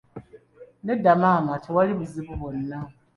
Nedda maama, tewali buzibu bwonna.